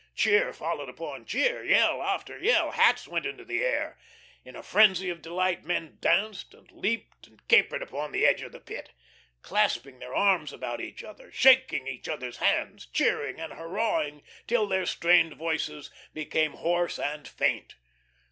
Cheer followed upon cheer, yell after yell. Hats went into the air. In a frenzy of delight men danced and leaped and capered upon the edge of the Pit, clasping their arms about each other, shaking each others' hands, cheering and hurrahing till their strained voices became hoarse and faint.